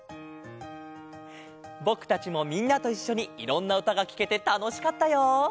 ぼくたちもみんなといっしょにいろんなうたがきけてたのしかったよ！